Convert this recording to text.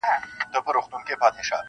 o يو نغمه ګره نقاسي کومه ښه کوومه,